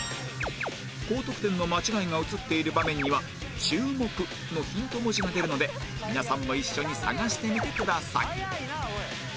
高得点の間違いが映っている場面には「注目」のヒント文字が出るので皆さんも一緒に探してみてください